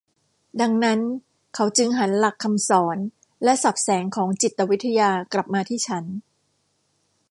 ดังนั้นเขาจึงหันหลักคำสอนและศัพท์แสงของจิตวิทยากลับมาที่ฉัน